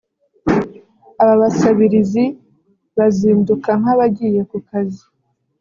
aba basabiriza bazinduka nk’abagiye ku kazi